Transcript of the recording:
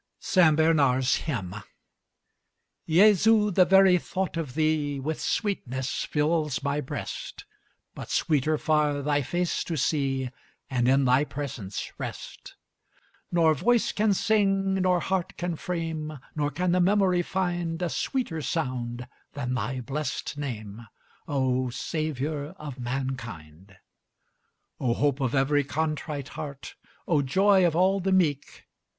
SAINT BERNARD'S HYMN Jesu! the very thought of thee With sweetness fills my breast, But sweeter far thy face to see And in thy presence rest. Nor voice can sing nor heart can frame, Nor can the memory find, A sweeter sound than thy blest name, O Savior of mankind! O hope of every contrite heart! O joy of all the meek!